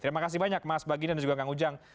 terima kasih banyak mas baginda dan juga kang ujang